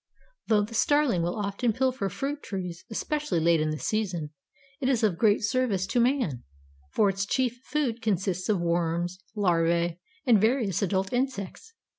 Though the Starling will often pilfer fruit trees, especially late in the season, it is of great service to man, for its chief food consists of worms, larvae and various adult insects.